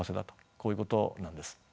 こういうことなんです。